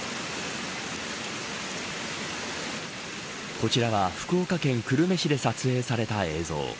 こちらは福岡県久留米市で撮影された映像。